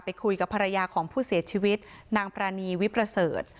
คุยกับภรรยาของผู้เสียชีวิตนางปรานีวิประเสริฐ